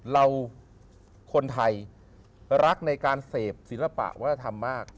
เราคนไทยรักในการเสพศิลปะวัฒนธรรมมาก